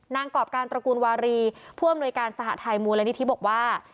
กรอบการตระกูลวารีผู้อำนวยการสหทัยมูลนิธิบอกว่า